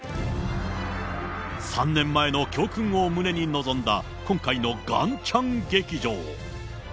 ３年前の教訓を胸に臨んだ今回のガンちゃん劇場。